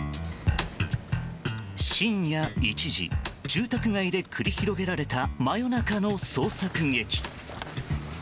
深夜１時住宅街で繰り広げられた真夜中の捜索劇。